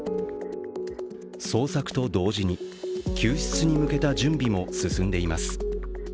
捜索と同時に救出に向けた準備も進んでいます。